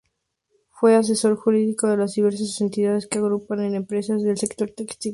Fue asesor jurídico del diversas entidades que agrupan a empresas del sector textil.